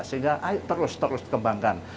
sehingga terus terus dikembangkan